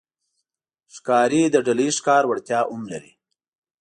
ښکاري د ډلهییز ښکار وړتیا هم لري.